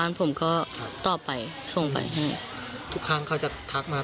แต่ก็เหมือนกับว่าจะไปดูของเพื่อนแล้วก็ค่อยทำส่งครูลักษณะประมาณนี้นะคะ